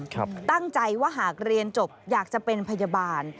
ตั้งใจว่าหากเรียนจบอยากจะเป็นพยาบาล